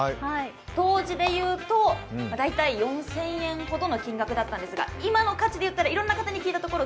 当時でいうと、大体４０００円ほどの金額だったんですが今の価値でいったらいろんな人に聞いたところ